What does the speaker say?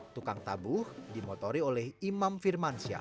tukang tabuh dimotori oleh imam firmansyah